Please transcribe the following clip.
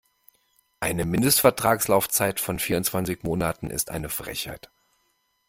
Eine Mindestvertragslaufzeit von vierundzwanzig Monaten ist eine Frechheit.